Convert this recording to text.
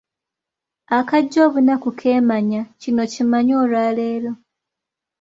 "Akajja obunaku keemanya, kino kimanye olwaleero."